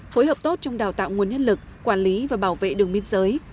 phối hợp tốt trong đào tạo nguồn nhân lực quản lý và bảo vệ đường biên giới